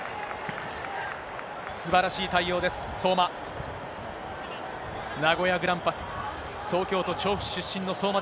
すばらしい対応です、相馬。